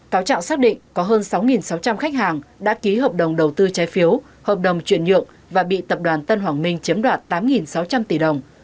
cáo trạng xác định có hơn sáu sáu trăm linh khách hàng đã ký hợp đồng đầu tư trái phiếu hợp đồng chuyển nhượng và bị tập đoàn tân hoàng minh chiếm đoạt tám sáu trăm linh tỷ đồng